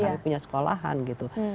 kami punya sekolahan gitu